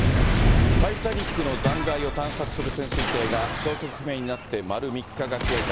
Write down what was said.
タイタニックの残骸を探索する潜水艇が消息不明になって丸３日が経過。